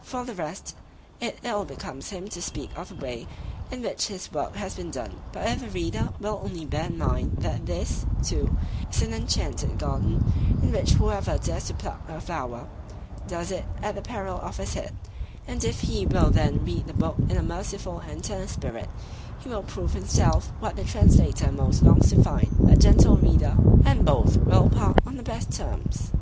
For the rest, it ill becomes him to speak of the way in which his work has been done: but if the reader will only bear in mind that this, too, is an enchanted garden, in which whoever dares to pluck a flower, does it at the peril of his head; and if he will then read the book in a merciful and tender spirit, he will prove himself what the Translator most longs to find, "a gentle reader", and both will part on the best terms.